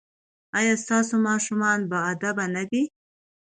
ایا ستاسو ماشومان باادبه نه دي؟